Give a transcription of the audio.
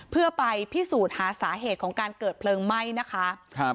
เพื่อไปพิสูจน์หาสาเหตุของการเกิดเพลิงไหม้นะคะครับ